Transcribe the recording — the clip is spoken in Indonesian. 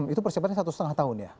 itu persiapannya satu setengah tahun ya